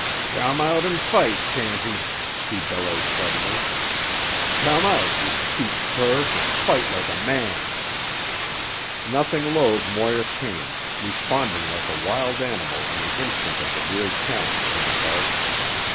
"Come out and fight, Shanty!" he bellowed suddenly. "Come out, you cheap cur, and fight like a man!" Nothing loath Moir came, responding like a wild animal on the instant of the weird challenge from above.